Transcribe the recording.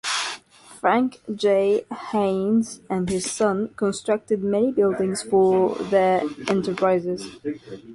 Frank Jay Haynes and his son constructed many buildings for their enterprises.